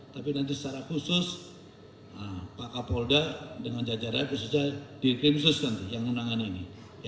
tapi nanti secara khusus pak kapolda dengan jajaran khususnya di krim sus nanti yang undangan ini